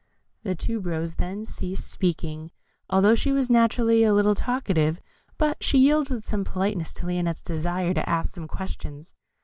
The Tube rose then ceased speaking, although she was naturally a little talkative, but she yielded from politeness to Lionette's desire to ask some questions.